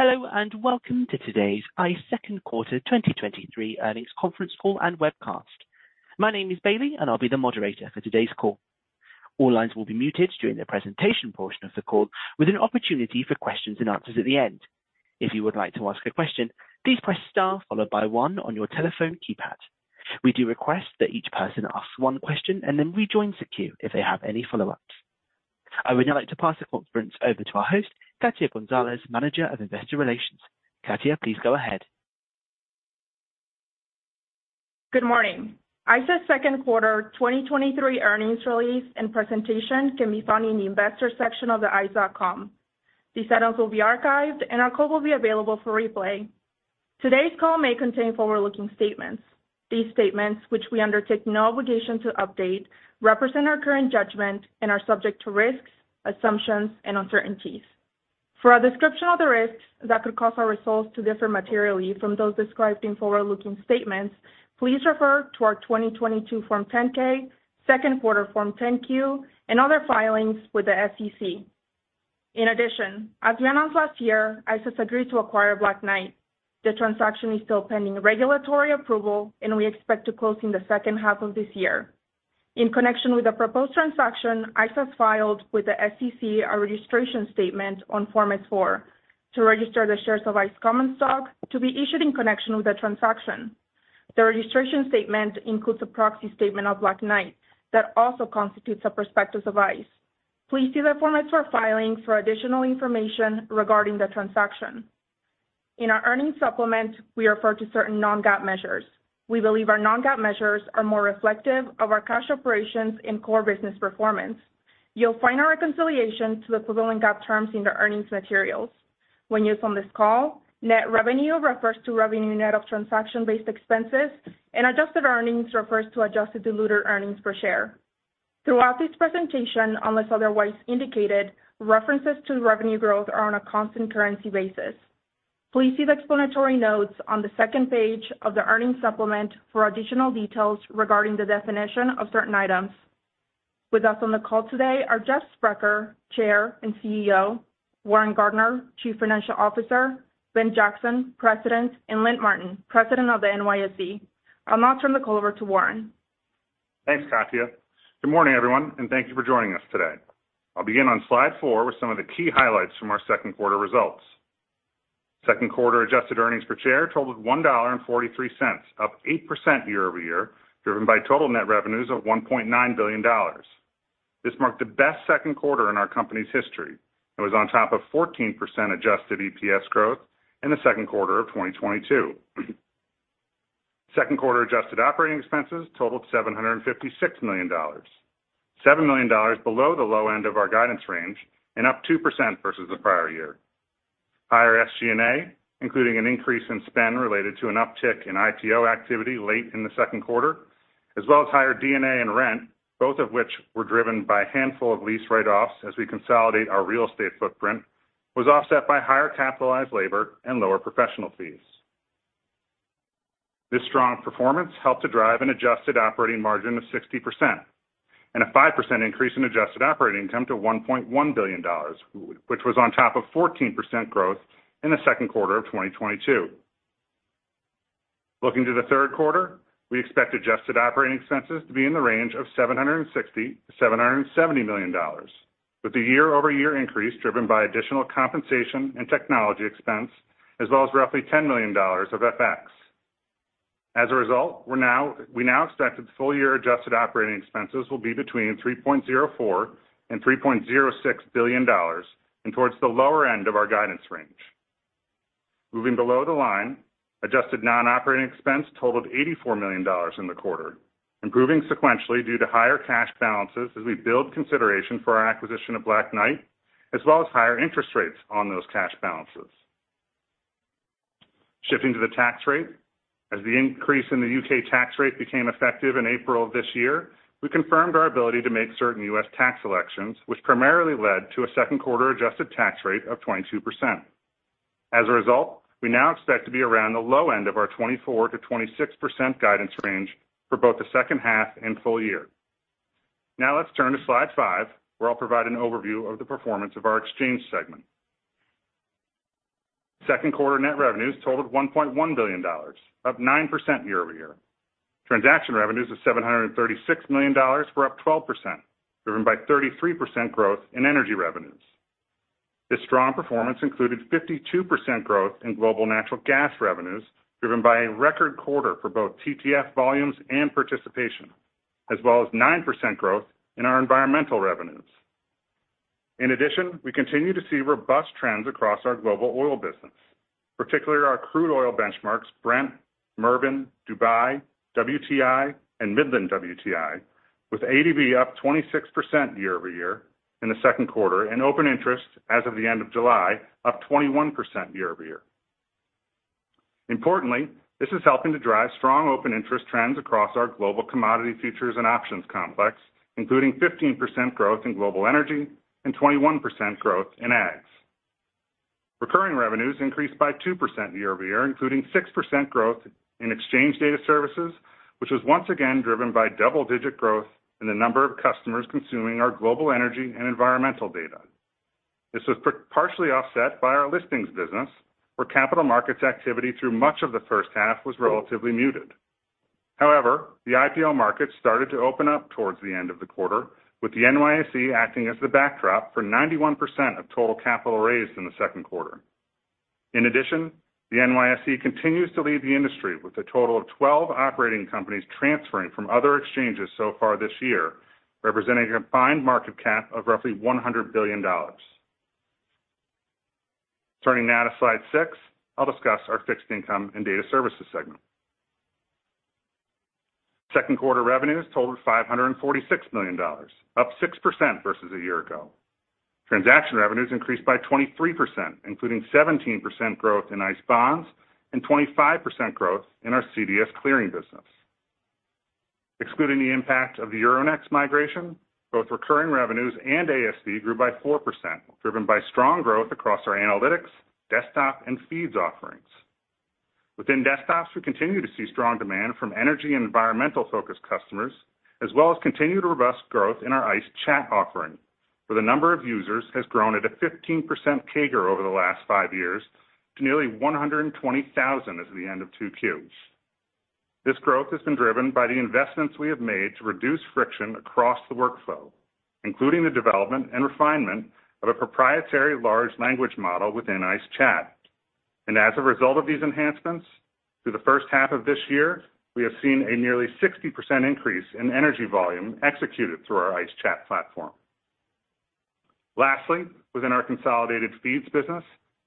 Hello, and welcome to today's ICE 2nd Quarter 2023 Earnings Conference Call and Webcast. My name is Bailey, and I'll be the moderator for today's call. All lines will be muted during the presentation portion of the call, with an opportunity for questions and answers at the end. If you would like to ask a question, please press star followed by one on your telephone keypad. We do request that each person asks one question and then rejoins the queue if they have any follow-ups. I would now like to pass the conference over to our host, Katia Gonzalez, Manager of Investor Relations. Katia, please go ahead. Good morning. ICE's Second Quarter 2023 Earnings Release and Presentation can be found in the Investor Section of the ice.com. These items will be archived, and our call will be available for replay. Today's call may contain forward-looking statements. These statements, which we undertake no obligation to update, represent our current judgment and are subject to risks, assumptions, and uncertainties. For a description of the risks that could cause our results to differ materially from those described in forward-looking statements, please refer to our 2022 Form 10-K, second quarter Form 10-Q, and other filings with the SEC. In addition, as we announced last year, ICE has agreed to acquire Black Knight. The transaction is still pending regulatory approval, and we expect to close in the second half of this year. In connection with the proposed transaction, ICE has filed with the SEC a registration statement on Form S-4 to register the shares of ICE common stock to be issued in connection with the transaction. The registration statement includes a proxy statement of Black Knight that also constitutes a prospectus of ICE. Please see the Form S-4 filing for additional information regarding the transaction. In our earnings supplement, we refer to certain non-GAAP measures. We believe our non-GAAP measures are more reflective of our cash operations and core business performance. You'll find our reconciliation to equivalent GAAP terms in the earnings materials. When used on this call, net revenue refers to revenue net of transaction-based expenses, and adjusted earnings refers to adjusted diluted earnings per share. Throughout this presentation, unless otherwise indicated, references to revenue growth are on a constant currency basis. Please see the explanatory notes on the second page of the earnings supplement for additional details regarding the definition of certain items. With us on the call today are Jeff Sprecher, Chair and CEO; Warren Gardiner, Chief Financial Officer; Ben Jackson, President; and Lynn Martin, President of the NYSE. I'll now turn the call over to Warren. Thanks, Katia. Good morning, everyone, and thank you for joining us today. I'll begin on slide four with some of the key highlights from our second quarter results. Second quarter adjusted earnings per share totaled $1.43, up 8% year-over-year, driven by total net revenues of $1.9 billion. This marked the best second quarter in our company's history and was on top of 14% adjusted EPS growth in the second quarter of 2022. Second quarter adjusted operating expenses totaled $756 million, $7 million below the low end of our guidance range and up 2% versus the prior year. Higher SG&A, including an increase in spend related to an uptick in IPO activity late in the second quarter, as well as higher D&A and rent, both of which were driven by a handful of lease write-offs as we consolidate our real estate footprint, was offset by higher capitalized labor and lower professional fees. This strong performance helped to drive an adjusted operating margin of 60% and a 5% increase in adjusted operating income to $1.1 billion, which was on top of 14% growth in the second quarter of 2022. Looking to the third quarter, we expect adjusted operating expenses to be in the range of $760 million-$770 million, with the year-over-year increase driven by additional compensation and technology expense, as well as roughly $10 million of FX. As a result, we now expect that full-year adjusted operating expenses will be between $3.04 billion and $3.06 billion, and towards the lower end of our guidance range. Moving below the line, adjusted non-operating expense totaled $84 million in the quarter, improving sequentially due to higher cash balances as we build consideration for our acquisition of Black Knight, as well as higher interest rates on those cash balances. Shifting to the tax rate, as the increase in the U.K. tax rate became effective in April of this year, we confirmed our ability to make certain U.S. tax elections, which primarily led to a second quarter-adjusted tax rate of 22%. As a result, we now expect to be around the low end of our 24%-26% guidance range for both the second half and full year. Now let's turn to slide five, where I'll provide an overview of the performance of our exchange segment. Second quarter net revenues totaled $1.1 billion, up 9% year-over-year. Transaction revenues of $736 million were up 12%, driven by 33% growth in energy revenues. This strong performance included 52% growth in global natural gas revenues, driven by a record quarter for both TTF volumes and participation, as well as 9% growth in our environmental revenues. In addition, we continue to see robust trends across our global oil business, particularly our crude oil benchmarks, Brent, Murban, Dubai, WTI, and Midland WTI, with ADV up 26% year-over-year in the second quarter, and open interest as of the end of July, up 21% year-over-year. Importantly, this is helping to drive strong open interest trends across our global commodity, futures, and options complex, including 15% growth in global energy and 21% growth in ADV. Recurring revenues increased by 2% year-over-year, including 6% growth in exchange data services which was once again driven by double-digit growth in the number of customers consuming our global energy and environmental data. This was partially offset by our listings business, where capital markets activity through much of the first half was relatively muted. The IPO market started to open up towards the end of the quarter, with the NYSE acting as the backdrop for 91% of total capital raised in the second quarter. In addition, the NYSE continues to lead the industry with a total of 12 operating companies transferring from other exchanges so far this year, representing a combined market cap of roughly $100 billion. Turning now to slide six, I'll discuss our Fixed Income and Data Services segment. Second quarter revenues totaled $546 million, up 6% versus a year ago. Transaction revenues increased by 23%, including 17% growth in ICE Bonds and 25% growth in our CDS clearing business. Excluding the impact of the Euronext migration, both recurring revenues and ASV grew by 4%, driven by strong growth across our analytics, desktop, and feeds offerings. Within desktops, we continue to see strong demand from energy and environmental-focused customers, as well as continued robust growth in our ICE Chat offering, where the number of users has grown at a 15% CAGR over the last five years to nearly 120,000 as of the end of 2Q. This growth has been driven by the investments we have made to reduce friction across the workflow, including the development and refinement of a proprietary large language model within ICE Chat. As a result of these enhancements, through the first half of this year, we have seen a nearly 60% increase in energy volume executed through our ICE Chat platform. Lastly, within our consolidated feeds business,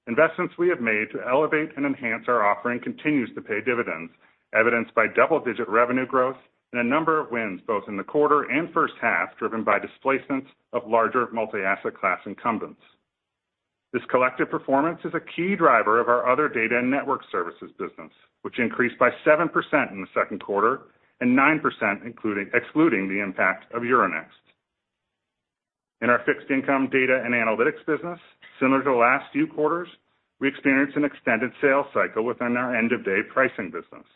investments we have made to elevate and enhance our offering continues to pay dividends, evidenced by double-digit revenue growth and a number of wins both in the quarter and first half, driven by displacements of larger multi-asset class incumbents. This collective performance is a key driver of our other data and network services business, which increased by 7% in the second quarter and 9%, excluding the impact of Euronext. In our fixed income data and analytics business, similar to the last few quarters, we experienced an extended sales cycle within our end-of-day pricing business.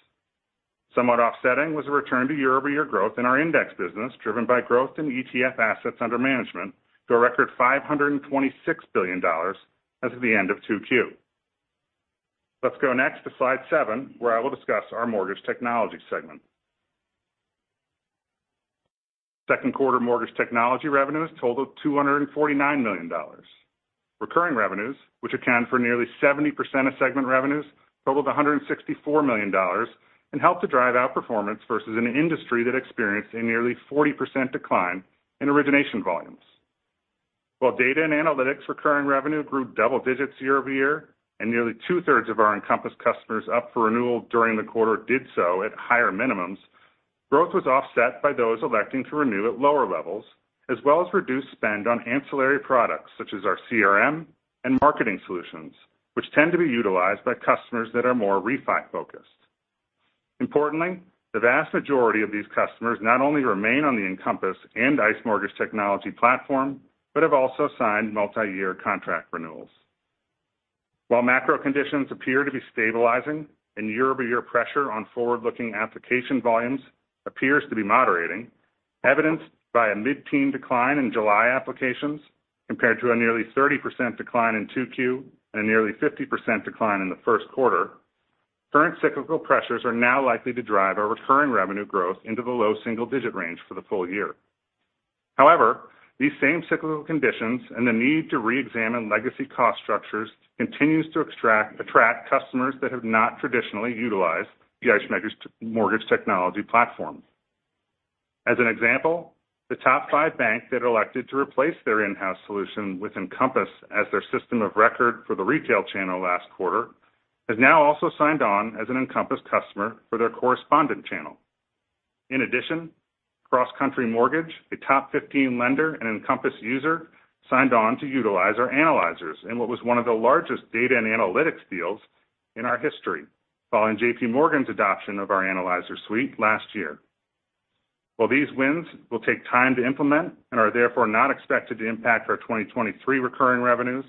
Somewhat offsetting was a return to year-over-year growth in our index business, driven by growth in ETF assets under management to a record $526 billion as of the end of 2Q. Let's go next to slide seven, where I will discuss our Mortgage Technology segment. Second quarter Mortgage Technology revenues totaled $249 million. Recurring revenues, which account for nearly 70% of segment revenues, totaled $164 million. Helped to drive outperformance versus an industry that experienced a nearly 40% decline in origination volumes. While data and analytics recurring revenue grew double digits year-over-year, Nearly two-thirds of our Encompass customers up for renewal during the quarter did so at higher minimums, growth was offset by those electing to renew at lower levels, as well as reduced spend on ancillary products such as our CRM and marketing solutions, which tend to be utilized by customers that are more refi-focused. Importantly, the vast majority of these customers not only remain on the Encompass and ICE Mortgage Technology platform, but have also signed multiyear contract renewals. While macro conditions appear to be stabilizing and year-over-year pressure on forward-looking application volumes appears to be moderating, evidenced by a mid-teen decline in July applications compared to a nearly 30% decline in 2Q and a nearly 50% decline in the first quarter, current cyclical pressures are now likely to drive our recurring revenue growth into the low single-digit range for the full year. These same cyclical conditions and the need to reexamine legacy cost structures continues to attract customers that have not traditionally utilized the ICE Mortgage Technology platform. As an example, the top 5 banks that elected to replace their in-house solution with Encompass as their system of record for the retail channel last quarter, has now also signed on as an Encompass customer for their correspondent channel. In addition, CrossCountry Mortgage, a top 15 lender and Encompass user, signed on to utilize our analyzers in what was one of the largest data and analytics deals in our history, following JP Morgan's adoption of our analyzer suite last year. While these wins will take time to implement and are therefore not expected to impact our 2023 recurring revenues,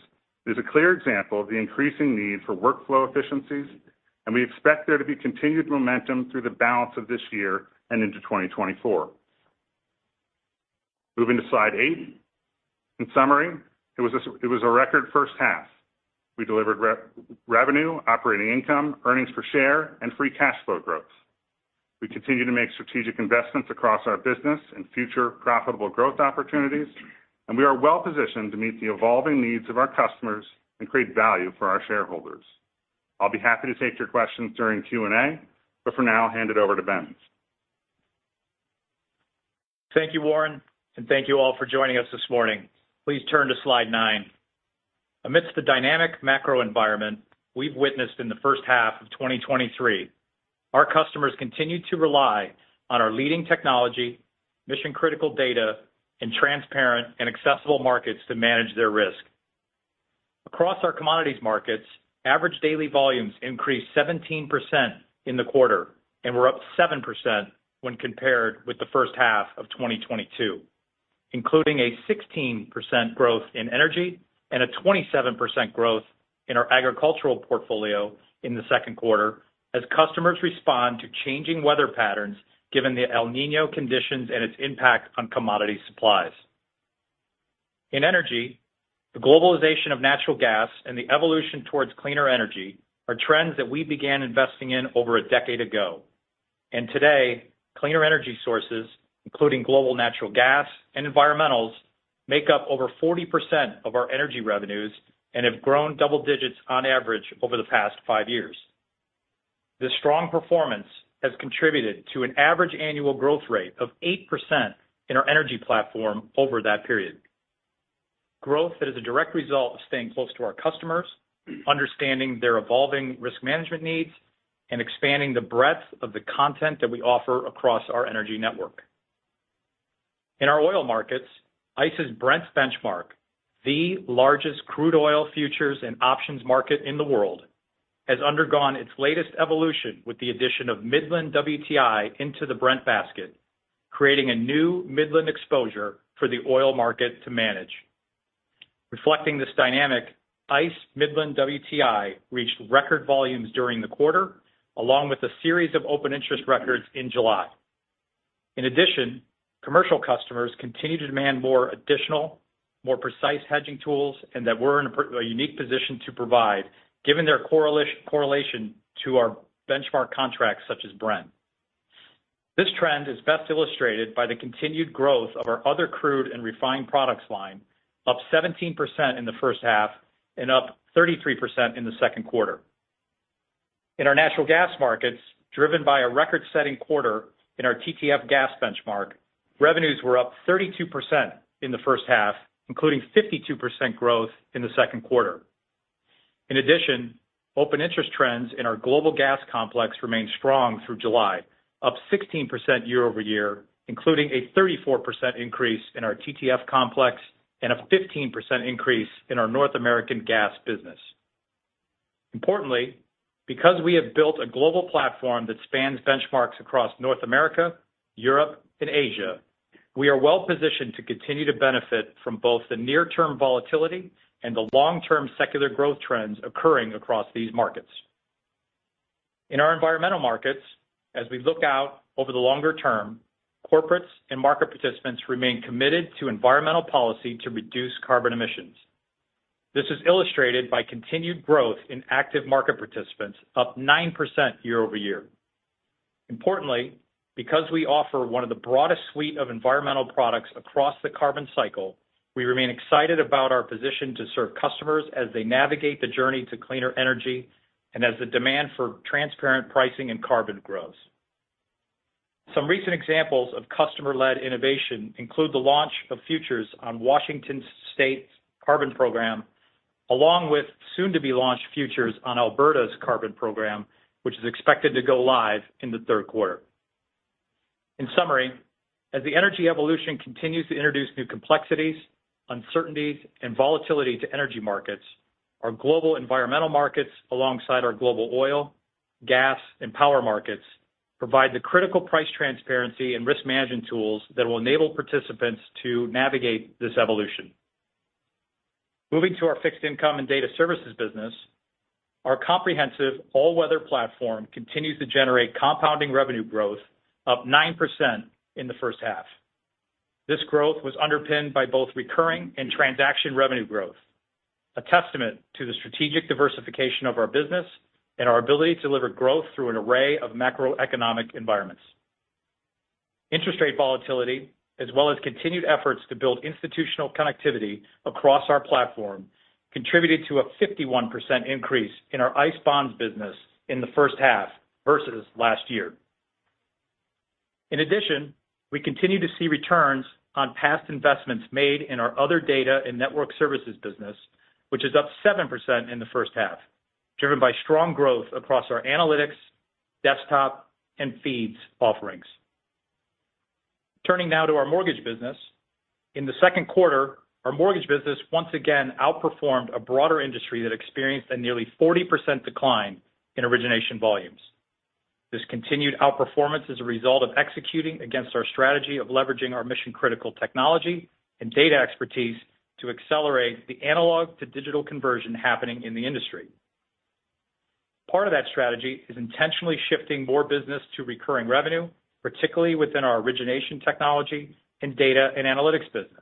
it is a clear example of the increasing need for workflow efficiencies, and we expect there to be continued momentum through the balance of this year and into 2024. Moving to slide eight. In summary, it was a record first half. We delivered revenue, operating income, earnings per share, and free cash flow growth. We continue to make strategic investments across our business and future profitable growth opportunities. We are well positioned to meet the evolving needs of our customers and create value for our shareholders. I'll be happy to take your questions during Q&A, but for now, I'll hand it over to Ben. Thank you, Warren, and thank you all for joining us this morning. Please turn to slide nine. Amidst the dynamic macro environment we've witnessed in the first half of 2023, our customers continued to rely on our leading technology, mission-critical data, and transparent and accessible markets to manage their risk. Across our commodities markets, average daily volumes increased 17% in the quarter and were up 7% when compared with the first half of 2022, including a 16% growth in energy and a 27% growth in our agricultural portfolio in the second quarter, as customers respond to changing weather patterns, given the El Niño conditions and its impact on commodity supplies. In energy, the globalization of natural gas and the evolution towards cleaner energy are trends that we began investing in over a decade ago. Today, cleaner energy sources, including global natural gas and environmentals, make up over 40% of our energy revenues and have grown double digits on average over the past five years. This strong performance has contributed to an average annual growth rate of 8% in our energy platform over that period. Growth that is a direct result of staying close to our customers, understanding their evolving risk management needs, and expanding the breadth of the content that we offer across our energy network. In our oil markets, ICE's Brent Benchmark, the largest crude oil futures and options market in the world, has undergone its latest evolution with the addition of Midland WTI into the Brent basket, creating a new Midland exposure for the oil market to manage. Reflecting this dynamic, ICE Midland WTI reached record volumes during the quarter, along with a series of open interest records in July. In addition, commercial customers continue to demand more additional, more precise hedging tools, and that we're in a unique position to provide, given their correlation to our benchmark contracts, such as Brent. This trend is best illustrated by the continued growth of our other crude and refined products line, up 17% in the first half and up 33% in the second quarter. In our natural gas markets, driven by a record-setting quarter in our TTF gas benchmark, revenues were up 32% in the first half, including 52% growth in the second quarter. In addition, open interest trends in our global gas complex remained strong through July, up 16% year-over-year, including a 34% increase in our TTF complex and a 15% increase in our North American gas business. Importantly, because we have built a global platform that spans benchmarks across North America, Europe, and Asia, we are well positioned to continue to benefit from both the near-term volatility and the long-term secular growth trends occurring across these markets. In our environmental markets, as we look out over the longer term, corporates and market participants remain committed to environmental policy to reduce carbon emissions. This is illustrated by continued growth in active market participants, up 9% year-over-year. Importantly, because we offer one of the broadest suite of environmental products across the carbon cycle, we remain excited about our position to serve customers as they navigate the journey to cleaner energy and as the demand for transparent pricing and carbon grows. Some recent examples of customer-led innovation include the launch of futures on Washington State's carbon program, along with soon-to-be-launched futures on Alberta's carbon program, which is expected to go live in the third quarter. In summary, as the energy evolution continues to introduce new complexities, uncertainties, and volatility to energy markets, our global environmental markets, alongside our global oil, gas, and power markets, provide the critical price transparency and risk management tools that will enable participants to navigate this evolution. Moving to our fixed income and data services business, our comprehensive all-weather platform continues to generate compounding revenue growth, up 9% in the first half. This growth was underpinned by both recurring and transaction revenue growth, a testament to the strategic diversification of our business and our ability to deliver growth through an array of macroeconomic environments. Interest rate volatility, as well as continued efforts to build institutional connectivity across our platform, contributed to a 51% increase in our ICE Bonds business in the first half versus last year. In addition, we continue to see returns on past investments made in our other data and network services business, which is up 7% in the first half, driven by strong growth across our analytics, desktop, and feeds offerings. Turning now to our mortgage business. In the second quarter, our mortgage business once again outperformed a broader industry that experienced a nearly 40% decline in origination volumes. This continued outperformance is a result of executing against our strategy of leveraging our mission-critical technology and data expertise to accelerate the analog-to-digital conversion happening in the industry. Part of that strategy is intentionally shifting more business to recurring revenue, particularly within our origination technology and data and analytics business.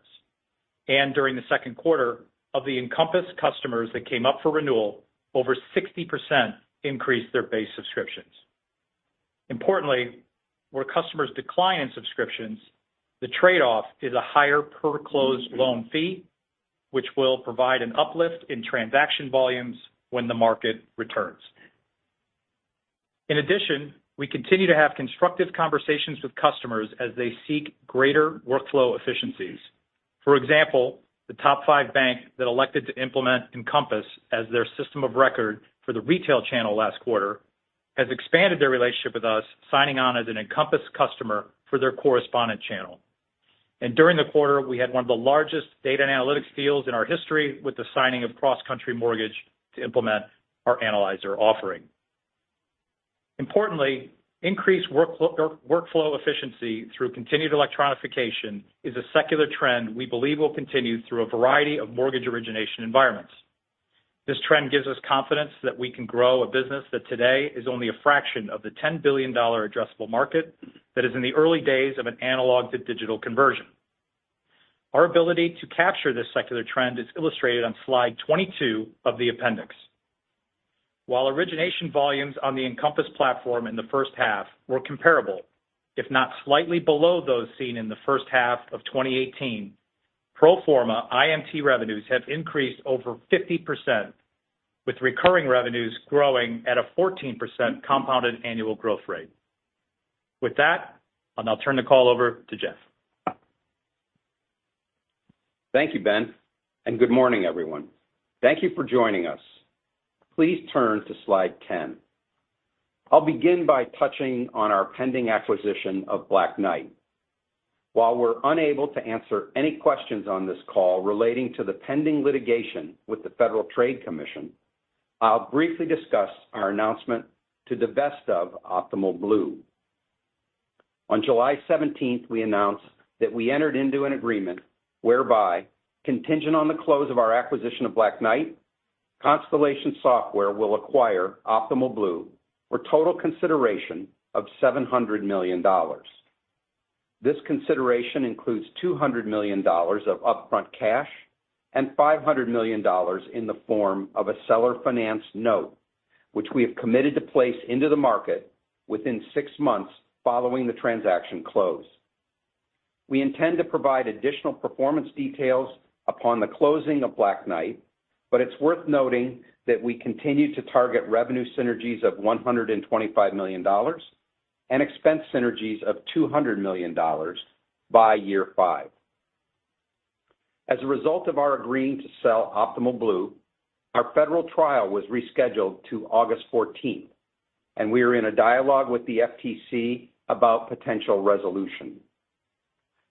During the second quarter, of the Encompass customers that came up for renewal, over 60% increased their base subscriptions. Importantly, where customers decline in subscriptions, the trade-off is a higher per closed loan fee, which will provide an uplift in transaction volumes when the market returns. In addition, we continue to have constructive conversations with customers as they seek greater workflow efficiencies. For example, the top five bank that elected to implement Encompass as their system of record for the retail channel last quarter, has expanded their relationship with us, signing on as an Encompass customer for their correspondent channel. During the quarter, we had one of the largest data and analytics deals in our history with the signing of CrossCountry Mortgage to implement our analyzer offering. Importantly, increased workflow efficiency through continued electronification is a secular trend we believe will continue through a variety of mortgage origination environments. This trend gives us confidence that we can grow a business that today is only a fraction of the $10 billion addressable market, that is in the early days of an analog-to-digital conversion. Our ability to capture this secular trend is illustrated on slide 22 of the appendix. While origination volumes on the Encompass platform in the first half were comparable, if not slightly below those seen in the first half of 2018, pro forma IMT revenues have increased over 50%, with recurring revenues growing at a 14% compounded annual growth rate. With that, I'll now turn the call over to Jeff. Thank you, Ben. Good morning, everyone. Thank you for joining us. Please turn to slide 10. I'll begin by touching on our pending acquisition of Black Knight. While we're unable to answer any questions on this call relating to the pending litigation with the Federal Trade Commission, I'll briefly discuss our announcement to divest Optimal Blue. On July 17th, we announced that we entered into an agreement whereby, contingent on the close of our acquisition of Black Knight, Constellation Software will acquire Optimal Blue for total consideration of $700 million. This consideration includes $200 million of upfront cash and $500 million in the form of a seller-financed note, which we have committed to place into the market within six months following the transaction close. We intend to provide additional performance details upon the closing of Black Knight, it's worth noting that we continue to target revenue synergies of $125 million and expense synergies of $200 million by year five. As a result of our agreeing to sell Optimal Blue, our federal trial was rescheduled to August fourteenth, we are in a dialogue with the FTC about potential resolution.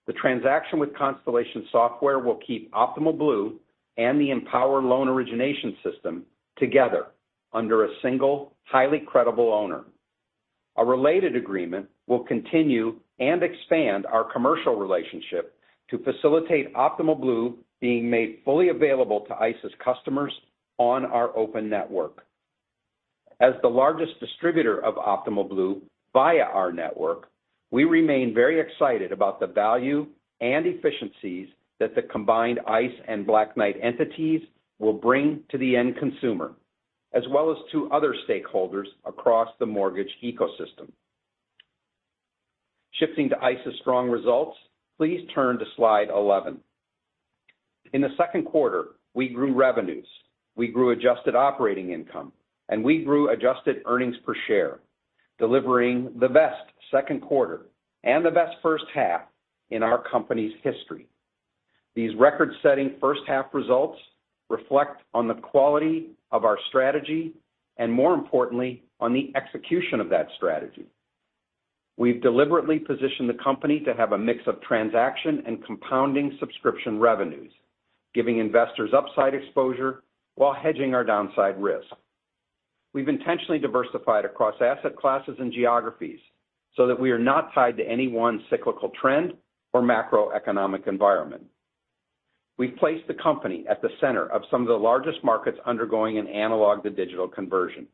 The transaction with Constellation Software will keep Optimal Blue and the Empower Loan Origination system together under a single, highly credible owner. A related agreement will continue and expand our commercial relationship to facilitate Optimal Blue being made fully available to ICE's customers on our open network. As the largest distributor of Optimal Blue via our network, we remain very excited about the value and efficiencies that the combined ICE and Black Knight entities will bring to the end consumer, as well as to other stakeholders across the mortgage ecosystem. Shifting to ICE's strong results, please turn to slide 11. In the second quarter, we grew revenues, we grew adjusted operating income, and we grew adjusted earnings per share, delivering the best second quarter and the best first half in our company's history. These record-setting first half results reflect on the quality of our strategy and, more importantly, on the execution of that strategy. We've deliberately positioned the company to have a mix of transaction and compounding subscription revenues, giving investors upside exposure while hedging our downside risk. We've intentionally diversified across asset classes and geographies so that we are not tied to any one cyclical trend or macroeconomic environment. We've placed the company at the center of some of the largest markets undergoing an analog-to-digital conversion.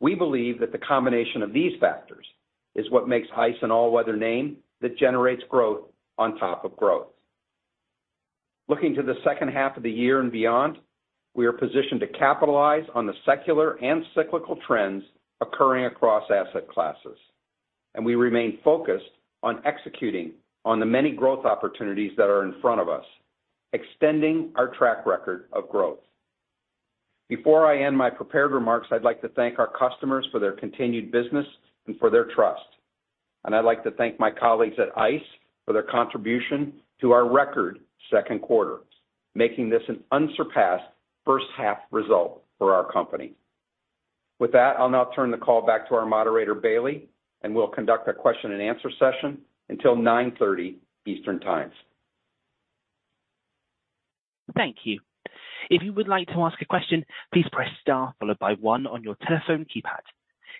We believe that the combination of these factors is what makes ICE an all-weather name that generates growth on top of growth. Looking to the second half of the year and beyond, we are positioned to capitalize on the secular and cyclical trends occurring across asset classes, and we remain focused on executing on the many growth opportunities that are in front of us, extending our track record of growth. Before I end my prepared remarks, I'd like to thank our customers for their continued business and for their trust, and I'd like to thank my colleagues at ICE for their contribution to our record second quarter, making this an unsurpassed first half result for our company. With that, I'll now turn the call back to our moderator, Bailey, and we'll conduct a question-and-answer session until 9:30 A.M. Eastern Time. Thank you. If you would like to ask a question, please press star followed by one on your telephone keypad.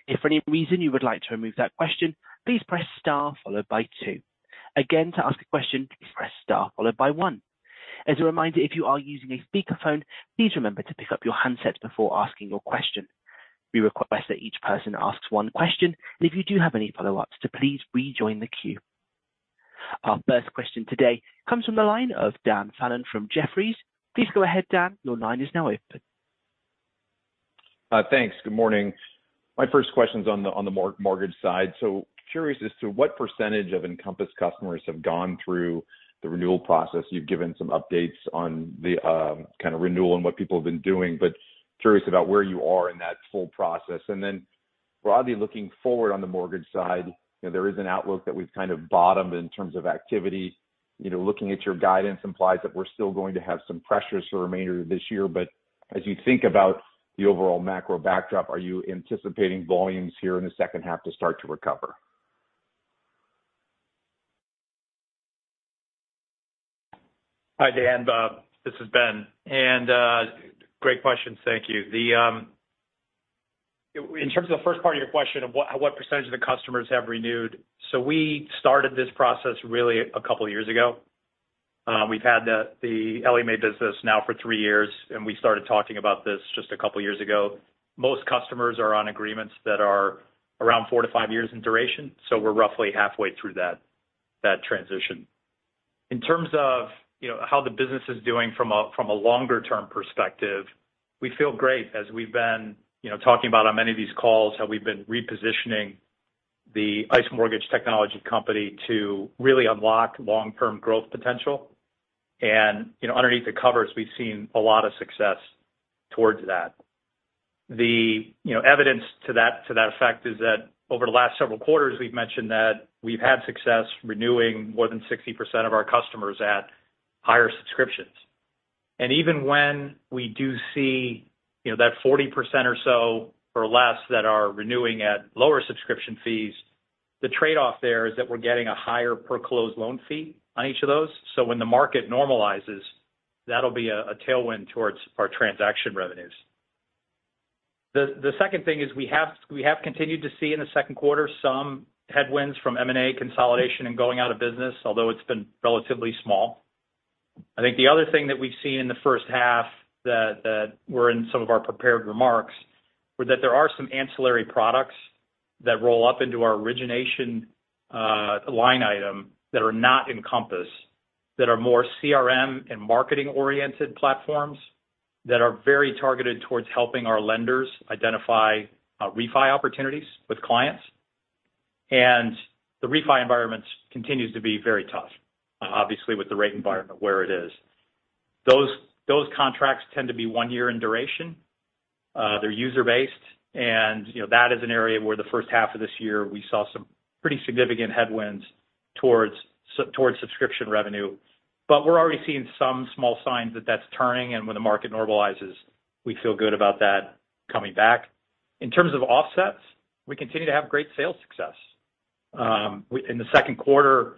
If for any reason you would like to remove that question, please press star followed by two. Again, to ask a question, please press star followed by one. As a reminder, if you are using a speakerphone, please remember to pick up your handset before asking your question. We request that each person asks 1 question, and if you do have any follow-ups, to please rejoin the queue. Our first question today comes from the line of Dan Fannon from Jefferies. Please go ahead, Dan. Your line is now open. Thanks. Good morning. My first question's on the, on the mortgage side. Curious as to what percentage of Encompass customers have gone through the renewal process? You've given some updates on the, kind of renewal and what people have been doing, but curious about where you are in that full process. Then broadly looking forward on the mortgage side, you know, there is an outlook that we've kind of bottomed in terms of activity. You know, looking at your guidance implies that we're still going to have some pressures for the remainder of this year. As you think about the overall macro backdrop, are you anticipating volumes here in the second half to start to recover? Hi, Dan, Bob, this is Ben. Great questions. Thank you. The, in terms of the first part of your question of what, what % of the customers have renewed. We started this process really a couple of years ago. We've had the Ellie Mae business now for three years, and we started talking about this just a couple of years ago. Most customers are on agreements that are around four to five years in duration. We're roughly halfway through that, that transition. In terms of, you know, how the business is doing from a, from a longer-term perspective, we feel great as we've been, you know, talking about on many of these calls, how we've been repositioning the ICE Mortgage Technology company to really unlock long-term growth potential. You know, underneath the covers, we've seen a lot of success towards that. You know, evidence to that, to that effect is that over the last several quarters, we've mentioned that we've had success renewing more than 60% of our customers at higher subscriptions. Even when we do see, you know, that 40% or so, or less, that are renewing at lower subscription fees, the trade-off there is that we're getting a higher per closed loan fee on each of those. When the market normalizes, that'll be a tailwind towards our transaction revenues. The second thing is we have continued to see in the second quarter, some headwinds from M&A consolidation and going out of business, although it's been relatively small. I think the other thing that we've seen in the first half that, that were in some of our prepared remarks, were that there are some ancillary products that roll up into our origination line item that are not Encompass, that are more CRM and marketing-oriented platforms, that are very targeted towards helping our lenders identify refi opportunities with clients. The refi environment continues to be very tough, obviously, with the rate environment where it is. Those, those contracts tend to be one year in duration. They're user-based, and, you know, that is an area where the first half of this year, we saw some pretty significant headwinds towards subscription revenue. We're already seeing some small signs that that's turning, and when the market normalizes, we feel good about that coming back. In terms of offsets, we continue to have great sales success. We in the second quarter of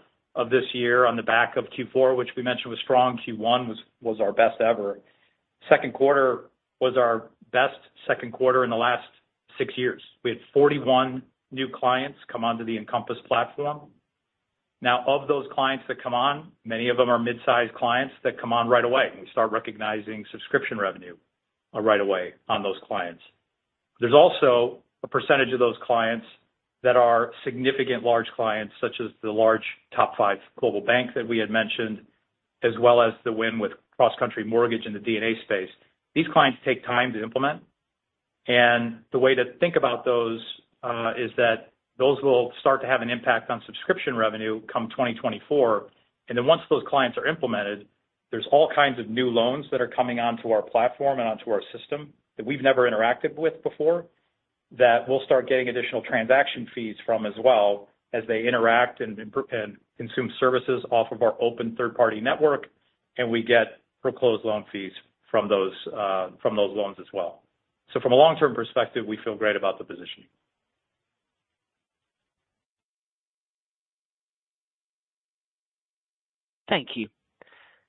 this year, on the back of Q4, which we mentioned was strong, Q1 was our best ever. Second quarter was our best second quarter in the last six years. We had 41 new clients come onto the Encompass platform. Now, of those clients that come on, many of them are mid-sized clients that come on right away. We start recognizing subscription revenue right away on those clients. There's also a percentage of those clients that are significant large clients, such as the large top 5 global banks that we had mentioned, as well as the win with CrossCountry Mortgage in the D&A space. These clients take time to implement, and the way to think about those is that those will start to have an impact on subscription revenue come 2024. Then once those clients are implemented, there's all kinds of new loans that are coming onto our platform and onto our system that we've never interacted with before, that we'll start getting additional transaction fees from as well as they interact and consume services off of our open third-party network, and we get per closed loan fees from those from those loans as well. From a long-term perspective, we feel great about the positioning. Thank you.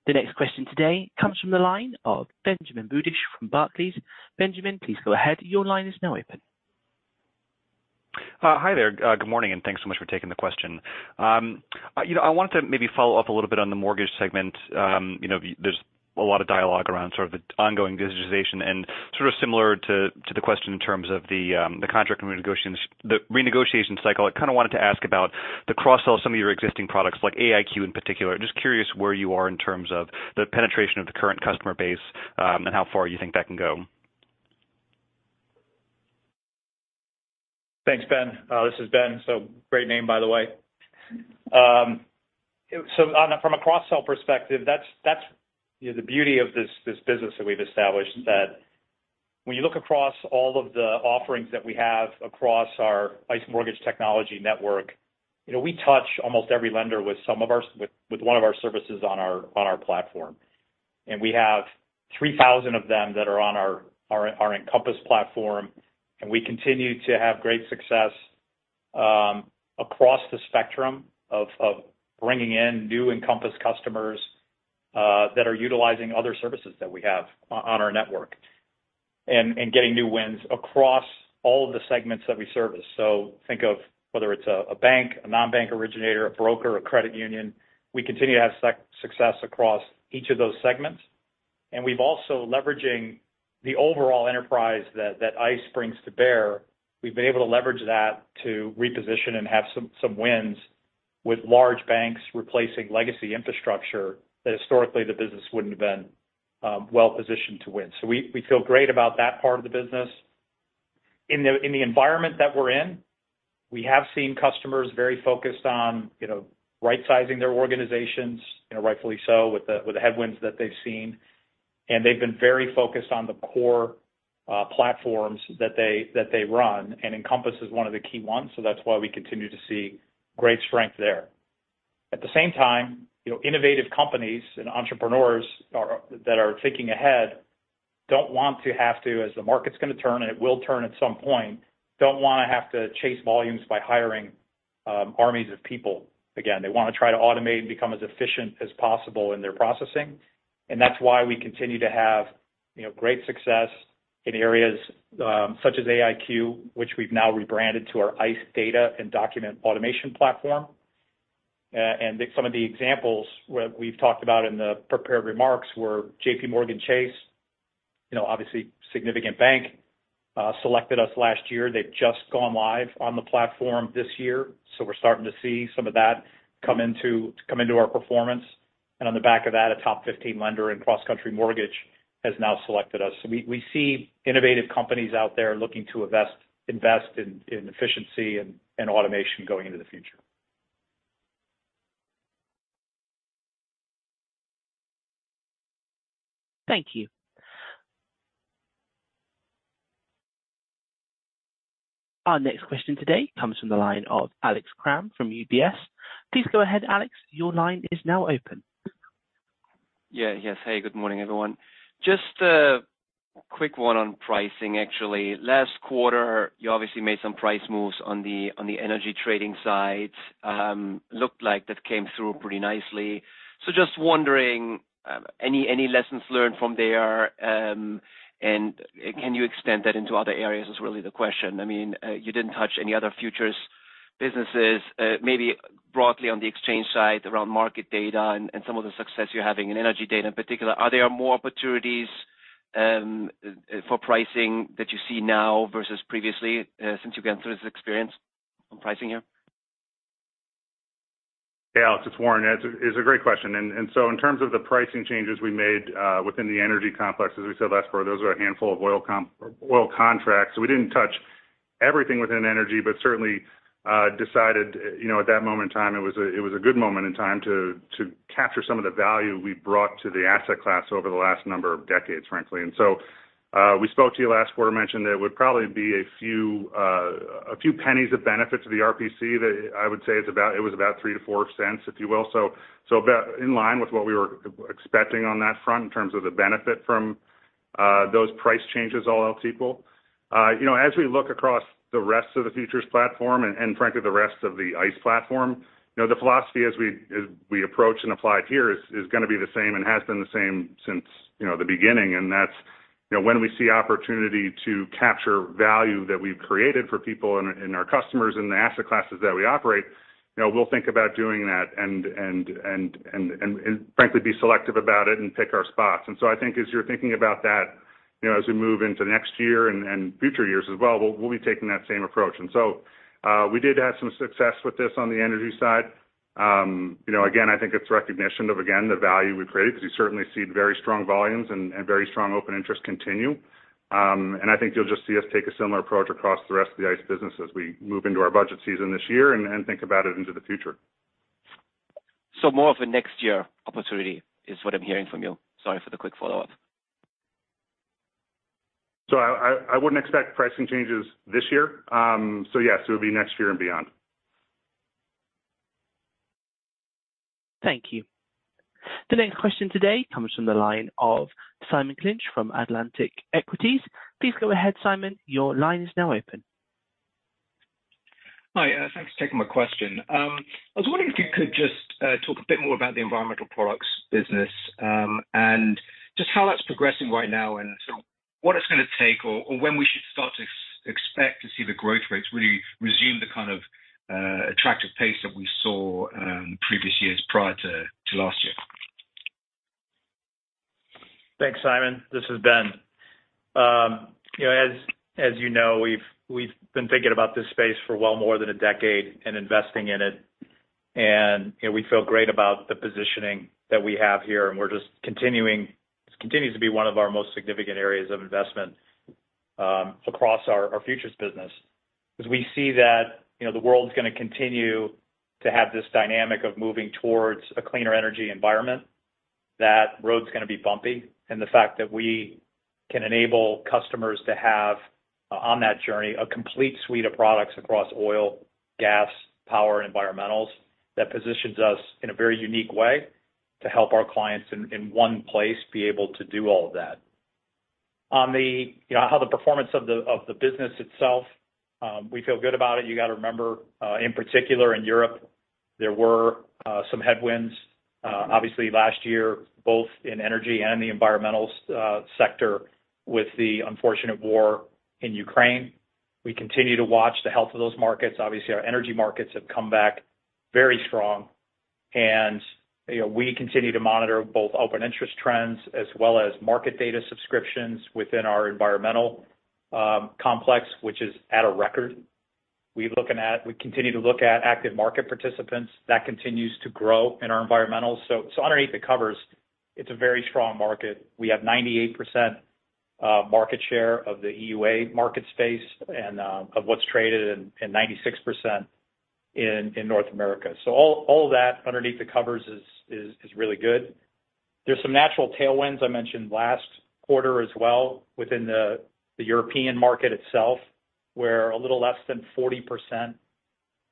The next question today comes from the line of Benjamin Budish from Barclays. Benjamin, please go ahead. Your line is now open. Hi there, good morning, thanks so much for taking the question. You know, I wanted to maybe follow up a little bit on the mortgage segment. You know, there's a lot of dialogue around sort of the ongoing digitization and sort of similar to, to the question in terms of the, the contract renegotiation, the renegotiation cycle. I kind of wanted to ask about the cross-sell of some of your existing products, like AIQ in particular. Just curious where you are in terms of the penetration of the current customer base, how far you think that can go? Thanks, Ben. This is Ben, so great name, by the way. So from a cross-sell perspective, that's, that's, you know, the beauty of this, this business that we've established, is that when you look across all of the offerings that we have across our ICE Mortgage Technology network, you know, we touch almost every lender with one of our services on our platform. We have 3,000 of them that are on our Encompass platform, and we continue to have great success across the spectrum of bringing in new Encompass customers that are utilizing other services that we have on our network, getting new wins across all of the segments that we service. Think of whether it's a, a bank, a non-bank originator, a broker, a credit union, we continue to have success across each of those segments. And we've also leveraging the overall enterprise that, that ICE brings to bear. We've been able to leverage that to reposition and have some, some wins with large banks replacing legacy infrastructure that historically the business wouldn't have been well positioned to win. We, we feel great about that part of the business. In the, in the environment that we're in, we have seen customers very focused on, you know, right sizing their organizations, you know, rightfully so, with the, with the headwinds that they've seen. And they've been very focused on the core platforms that they, that they run, and Encompass is one of the key ones, so that's why we continue to see great strength there. At the same time, you know, innovative companies and entrepreneurs are, that are thinking ahead, don't want to have to, as the market's gonna turn, and it will turn at some point, don't wanna have to chase volumes by hiring armies of people. Again, they wanna try to automate and become as efficient as possible in their processing. That's why we continue to have, you know, great success in areas such as AIQ, which we've now rebranded to our ICE Data and Document Automation Platform. Some of the examples where we've talked about in the prepared remarks were JPMorgan Chase, you know, obviously, significant bank, selected us last year. They've just gone live on the platform this year, so we're starting to see some of that come into, come into our performance. On the back of that, a top 15 lender in CrossCountry Mortgage has now selected us. We, we see innovative companies out there looking to invest, invest in, in efficiency and, and automation going into the future. Thank you. Our next question today comes from the line of Alex Kramm from UBS. Please go ahead, Alex. Your line is now open. Yeah. Yes, hey, good morning, everyone. Just a quick one on pricing, actually. Last quarter, you obviously made some price moves on the, on the energy trading side. Looked like that came through pretty nicely. Just wondering, any, any lessons learned from there? Can you extend that into other areas, is really the question. I mean, you didn't touch any other futures businesses, maybe broadly on the exchange side, around market data and, and some of the success you're having in energy data in particular. Are there more opportunities for pricing that you see now versus previously, since you've been through this experience on pricing here? Yeah, Alex, it's Warren. It's a great question. In terms of the pricing changes we made within the energy complex, as we said last quarter, those were a handful of oil contracts. We didn't touch everything within energy, but certainly decided, you know, at that moment in time, it was a good moment in time to capture some of the value we brought to the asset class over the last number of decades, frankly. We spoke to you last quarter, mentioned that it would probably be a few pennies of benefit to the RPC. That I would say it was about $0.03-$0.04, if you will. So about in line with what we were expecting on that front, in terms of the benefit from those price changes, all else equal. You know, as we look across the rest of the futures platform and, and frankly, the rest of the ICE platform, you know, the philosophy as we, as we approach and apply it here is, is gonna be the same and has been the same since, you know, the beginning. That's, you know, when we see opportunity to capture value that we've created for people and, and our customers in the asset classes that we operate, you know, we'll think about doing that and, and, and, and, and frankly, be selective about it and pick our spots. I think as you're thinking about that, you know, as we move into next year and, and future years as well, we'll, we'll be taking that same approach. We did have some success with this on the energy side. You know, again, I think it's recognition of, again, the value we've created, because you certainly see very strong volumes and, and very strong open interest continue. I think you'll just see us take a similar approach across the rest of the ICE business as we move into our budget season this year and, and think about it into the future. More of a next year opportunity is what I'm hearing from you? Sorry for the quick follow-up. I, I, I wouldn't expect pricing changes this year. Yes, it would be next year and beyond. Thank you. The next question today comes from the line of Simon Clinch from Atlantic Equities. Please go ahead, Simon. Your line is now open. Hi, thanks for taking my question. I was wondering if you could just talk a bit more about the environmental products business, and just how that's progressing right now, and so what it's gonna take, or, or when we should start to expect to see the growth rates really resume the kind of attractive pace that we saw, previous years prior to, to last year? Thanks, Simon. This is Ben. you know, as, as you know, we've, we've been thinking about this space for well more than a decade and investing in it. you know, we feel great about the positioning that we have here, this continues to be one of our most significant areas of investment across our futures business. As we see that, you know, the world's gonna continue to have this dynamic of moving towards a cleaner energy environment, that road's gonna be bumpy. The fact that we can enable customers to have, on that journey, a complete suite of products across oil, gas, power, environmentals, that positions us in a very unique way to help our clients in, in one place, be able to do all of that. On the, you know, how the performance of the, of the business itself, we feel good about it. You got to remember, in particular in Europe, there were some headwinds, obviously last year, both in energy and in the environmental sector with the unfortunate war in Ukraine. We continue to watch the health of those markets. Obviously, our energy markets have come back very strong, and, you know, we continue to monitor both open interest trends as well as market data subscriptions within our environmental complex, which is at a record. We continue to look at active market participants. That continues to grow in our environmental. So underneath the covers, it's a very strong market. We have 98% market share of the EUA market space and of what's traded, and 96% in North America. All that underneath the covers is really good. There's some natural tailwinds I mentioned last quarter as well, within the European market itself, where a little less than 40%-...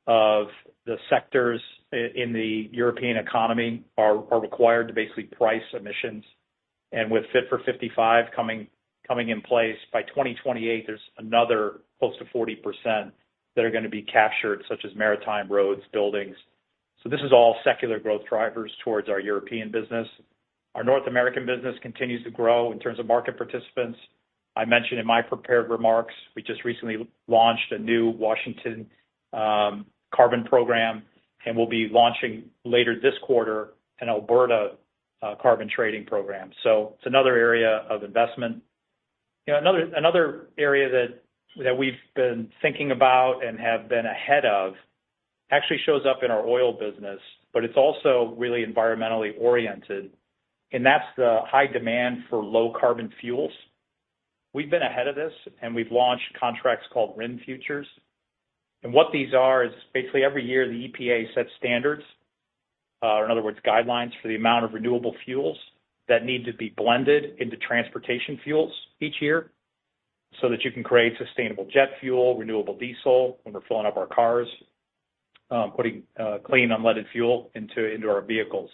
of the sectors in, in the European economy are, are required to basically price emissions. With Fit for 55 coming, coming in place, by 2028, there's another close to 40% that are going to be captured, such as maritime, roads, buildings. This is all secular growth drivers towards our European business. Our North American business continues to grow in terms of market participants. I mentioned in my prepared remarks, we just recently launched a new Washington carbon program, and we'll be launching later this quarter, an Alberta carbon trading program. It's another area of investment. You know, another, another area that, that we've been thinking about and have been ahead of, actually shows up in our oil business, but it's also really environmentally oriented, and that's the high demand for low carbon fuels. We've been ahead of this, and we've launched contracts called RIN Futures. What these are, is basically every year, the EPA sets standards, or in other words, guidelines for the amount of renewable fuels that need to be blended into transportation fuels each year, so that you can create sustainable jet fuel, renewable diesel, when we're filling up our cars, putting clean unleaded fuel into, into our vehicles.